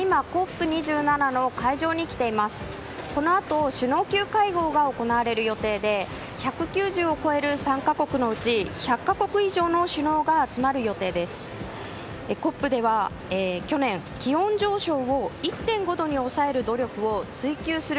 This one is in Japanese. このあと首脳級会合が行われる予定で１９０を超える参加国のうち１００か国以上の首脳が集まる予定です。